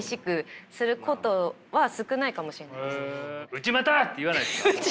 「内股！」って言わないですか？